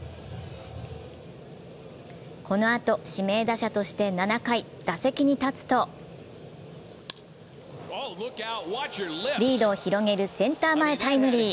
このあと指名打者として７回、打席に立つとリードを広げるセンター前タイムリー。